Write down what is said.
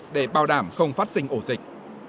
để bảo đảm không phát sinh ổ dịch